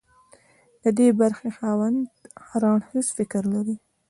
د ډي برخې خاوند هر اړخیز فکر لري.